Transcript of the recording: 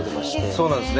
そうなんですね